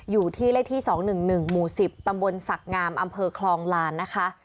อยู่ที่เลขที่๒๑๑หมู่๑๐ตำบลศักดิ์งามอำเภอคลองลานนะคะ